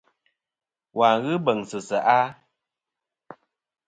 Wà n-ghɨ beŋsɨ seʼ a?